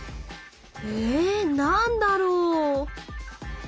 え何だろう？